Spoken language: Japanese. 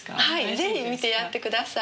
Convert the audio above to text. ぜひ見てやって下さい。